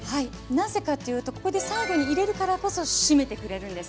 なぜかというとここで最後に入れるからこそしめてくれるんです。